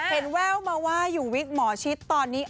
เห็นแว่วมาว่าอยู่วิงหมอชิตตอนนี้